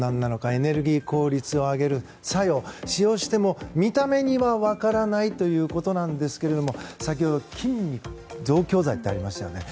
エネルギー効率を上げる作用使用しても見た目には分からないということなんですが先ほど、筋肉増強剤ってありましたよね。